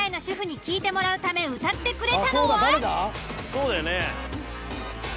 そうだよね。